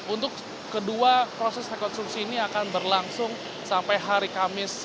untuk kedua proses rekonstruksi ini akan berlangsung sampai hari kamis